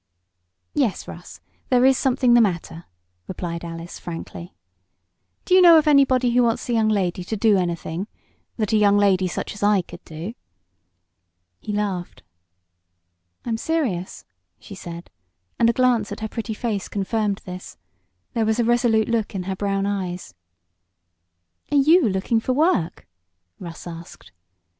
"Yes, Russ, there is something the matter," replied Alice, frankly. "Do you know of anybody who wants a young lady to do anything that a young lady, such as I, could do?" He laughed. "I'm serious," she said, and a glance at her pretty face confirmed this. There was a resolute look in her brown eyes. "Are you looking for work?" Russ asked.